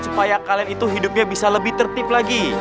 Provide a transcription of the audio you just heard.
supaya kalian itu hidupnya bisa lebih tertib lagi